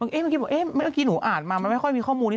เมื่อกี้บอกเอ๊ะเมื่อกี้หนูอ่านมามันไม่ค่อยมีข้อมูลนี้